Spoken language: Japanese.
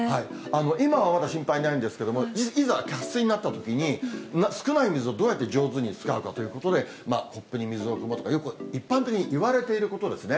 今はまだ心配ないんですけれども、いざ渇水になったときに少ない水をどうやって上手に使うかということで、コップに水をくむとか、よく一般的にいわれていることですよね。